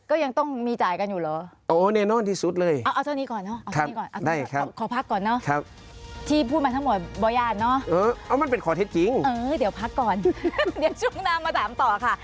เออเดี๋ยวพักก่อนเดี๋ยวชุ่งน้ำมาถามต่อค่ะ